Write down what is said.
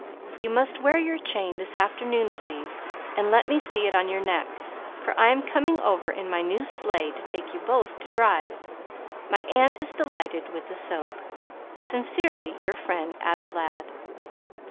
You must wear your chain this afternoon, please, and let me see it on your neck, for I am coming over in my new sleigh to take you both to drive. My aunt is delighted with the soap. Sincerely your friend, Adam Ladd.